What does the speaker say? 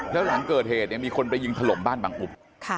แล้วหลังเกิดเหตุเนี่ยมีคนไปยิงถล่มบ้านบังอุ